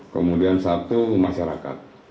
kemudian satu masyarakat